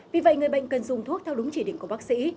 vì vậy người bệnh cần dùng thuốc theo đúng chỉ định của bác sĩ